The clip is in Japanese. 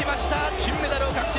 金メダルを確信